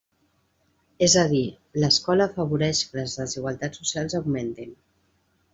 És a dir, l'escola afavoreix que les desigualtats socials augmentin.